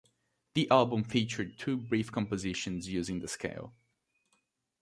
The album featured two brief compositions using the scale.